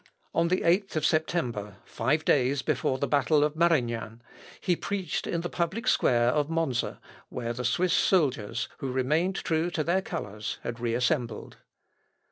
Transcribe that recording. On the 8th September, five days before the battle of Marignan, he preached in the public square of Monza, where the Swiss soldiers, who remained true to their colours, had reassembled.